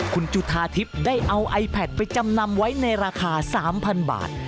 คุณจุธาทิพย์ได้เอาไอแพทไปจำนำไว้ในราคา๓๐๐๐บาท